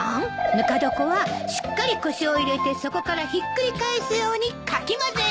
ぬか床はしっかり腰を入れて底からひっくり返すようにかき混ぜる。